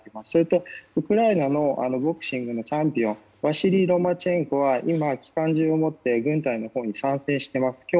それとウクライナのボクシングのチャンピオンワシリー・ロマチェンコは今、機関銃をもって軍隊のほうに参戦しています。